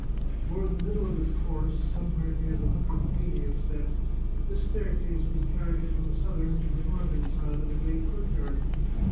Toward the middle of its course, somewhere near the hundred and eightieth step, this staircase was carried from the southern to the northern side of a great courtyard.